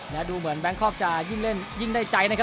แล้วดูเหมือนแบงคอล์ฟจะยิ่งได้ใจนะครับ